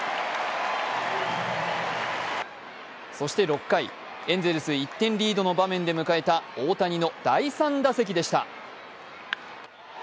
そして６回エンゼルス１点リードで迎えた大谷の第３打席でした。